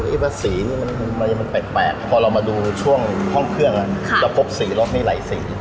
เฮ้ยสีนี้มันแปลกพอเรามาดูช่วงห้องเครื่องอะจะพบสีรถให้ไหลสี